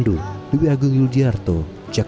dan mengirimkan uang untuk istri tercinta di kampung halaman